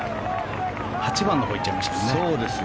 ８番のほうに行っちゃいましたもんね。